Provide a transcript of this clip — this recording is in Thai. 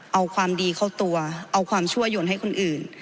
เอาความดีเข้าตัวเอาความชั่วยนให้คนอื่น